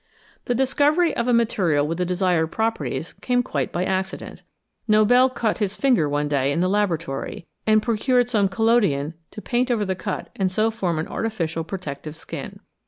The discovery of a material with the desired properties came quite by accident. Nobel cut his finger one day in the laboratory, and procured some collodion to paint over the cut and so form an artificial protective skin.